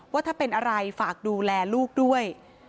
ว่าถ้าเป็นอะไรฝากดูแลลูกด้วย